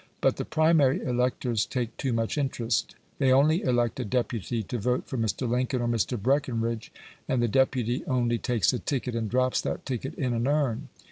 But the primary electors take too much interest. They only elect a deputy to vote for Mr. Lincoln or Mr. Breckenridge, and the deputy only takes a ticket, and drops that ticket in an urn.